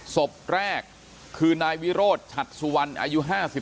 ศพแรกคือนายวิโรธชัดสุวรรณ